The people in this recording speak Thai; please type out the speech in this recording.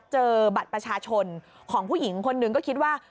เจอบัตรประชาชนของผู้หญิงคนหนึ่งก็คิดว่า